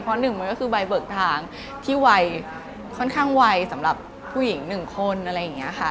เพราะหนึ่งมันก็คือใบเบิกทางที่วัยค่อนข้างไวสำหรับผู้หญิง๑คนอะไรอย่างนี้ค่ะ